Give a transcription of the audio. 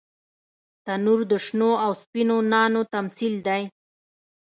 تنور د شنو او سپینو نانو تمثیل دی